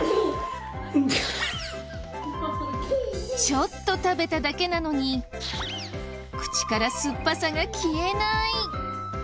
ちょっと食べただけなのに口から酸っぱさが消えない！